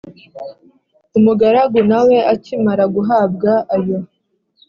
umugaragu nawe akimara guhabwa ayo